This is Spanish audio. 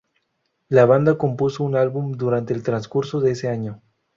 La banda compuso un álbum durante el transcurso de ese año.